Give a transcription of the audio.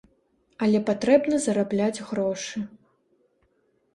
Але патрэбна зарабляць грошы.